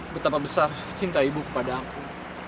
betapa besar cinta ibu kepada aku